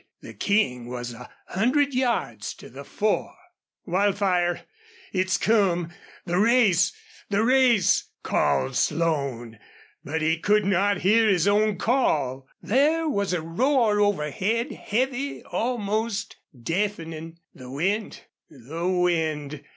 The King was a hundred yards to the fore. "Wildfire it's come the race the race!" called Slone. But he could not hear his own call. There was a roar overhead, heavy, almost deafening. The wind! the wind!